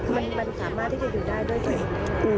มันสามารถที่จะอยู่ได้ด้วยตัวเอง